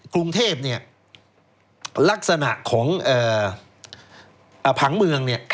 กรุงเทพฯรักษณะของผังเมือง